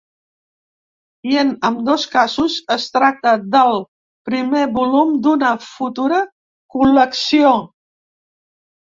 I en ambdós casos es tracta del primer volum d’una futura col·lecció.